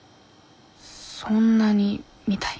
そんなにみたい「